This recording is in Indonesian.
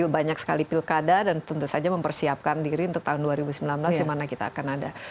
banyak sekali pilkada dan tentu saja mempersiapkan diri untuk tahun dua ribu sembilan belas yang mana kita akan ada